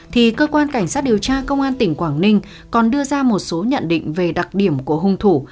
thì cơ quan cảnh sát điều tra công an tỉnh quảng ninh còn đưa ra một số nhận định về đặc điểm của hung thủ